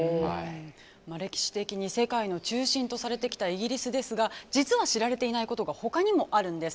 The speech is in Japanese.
歴史的に世界の中心とされてきたイギリスですが実は知られていないことが他にもあるんです。